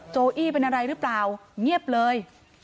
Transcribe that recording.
โอี้เป็นอะไรหรือเปล่าเงียบเลย